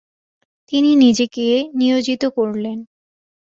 তিনি নিজেকে নিয়োজিত করলেন।